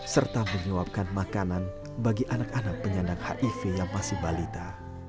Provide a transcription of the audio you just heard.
serta menyuapkan makanan bagi anak anak penyandang hiv yang masih balita